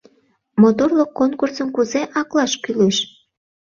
Моторлык конкурсым кузе аклаш кӱлеш?